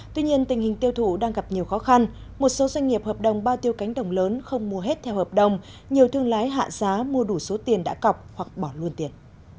tuy nhiên tình hình tiêu thụ đang gặp nhiều khó khăn một số doanh nghiệp hợp đồng bao tiêu cánh đồng lớn không mua hết theo hợp đồng nhiều thương lái hạ giá mua đủ số tiền đã cọc hoặc bỏ luôn tiền